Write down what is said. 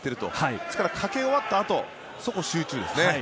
ですから、かけ終わったあとそこ、集中ですね。